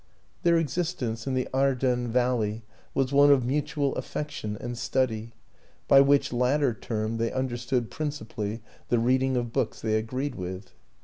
Their existence in the Ardennes valley was one of mutual affection and study by which latter term they understood principally the reading of books they agreed with.